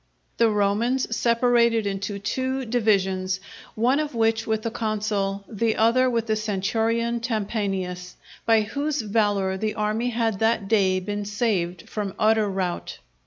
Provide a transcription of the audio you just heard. The Romans separated into two divisions, one of which with the consul, the other with the centurion Tempanius by whose valour the army had that day been saved from utter rout.